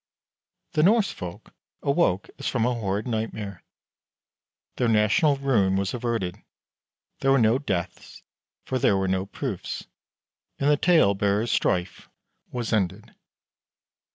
The Norse folk awoke as from a horrid nightmare. Their national ruin was averted; there were no deaths, for there were no proofs; and the talebearer's strife was ended.